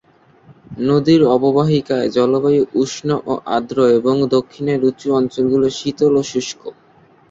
নদীর অববাহিকায় জলবায়ু উষ্ণ ও আর্দ্র এবং দক্ষিণের উঁচু অঞ্চলগুলো শীতল ও শুষ্ক।